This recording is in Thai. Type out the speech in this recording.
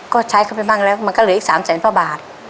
ก็ใช้เข้าไปบ้างแล้วมันก็เหลืออีก๓แสนพระบาท